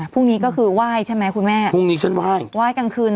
พรุ่งนี้ก็คือไหว้ใช่ไหมคุณแม่พรุ่งนี้ฉันไหว้ไหว้กลางคืน